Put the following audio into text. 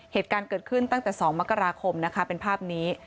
เหตุการณ์เกิดขึ้นตั้งแต่๒มกราคมนะคะเป็นภาพนี้